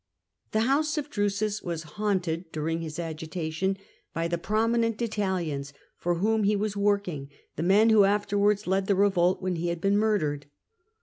The house of Drusus was haunted, during his agitation, by the prominent Italians for whom he was working, the men who afterwards led the revolt when he had been murdered.